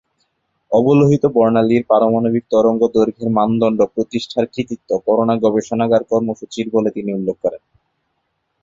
অবলোহিত বর্ণালির পারমাণবিক তরঙ্গদৈর্ঘ্যের মানদণ্ড প্রতিষ্ঠার কৃতিত্ব, করোনা গবেষণাগার কর্মসূচি’র বলে তিনি উল্লেখ করেন।